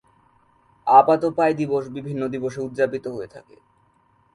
আপাত পাই দিবস বিভিন্ন দিবসে উদযাপিত হয়ে থাকে।